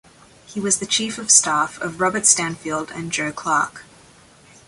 He was the chief of staff of Robert Stanfield and Joe Clark.